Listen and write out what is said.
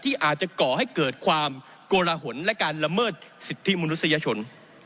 อาจจะก่อให้เกิดความโกลหนและการละเมิดสิทธิมนุษยชน